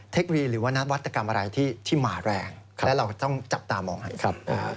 เทคโนโลยีหรือว่านัดวัตกรรมอะไรที่มาแรงและเราต้องจับตามองให้ครับ